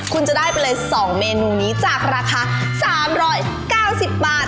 คุณจะได้ไปเลย๒เมนูนี้จากราคา๓๙๐บาท